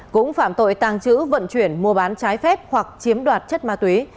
cũng phạm tội tàng trữ vận chuyển mua bán trái phép hoặc chiếm đoạt chất ma túy